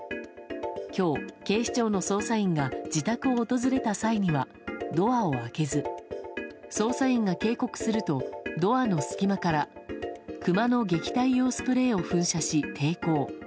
今日、警視庁の捜査員が自宅を訪れた際にはドアを開けず捜査員が警告するとドアの隙間から、クマの撃退用スプレーを噴射し抵抗。